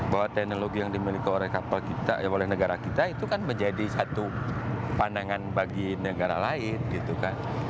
bahwa teknologi yang dimiliki oleh kapal kita oleh negara kita itu kan menjadi satu pandangan bagi negara lain gitu kan